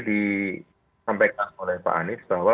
disampaikan oleh pak anies bahwa